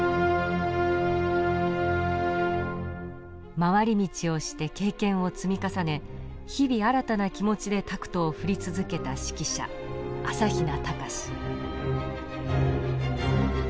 回り道をして経験を積み重ね日々新たな気持ちでタクトを振り続けた指揮者朝比奈隆。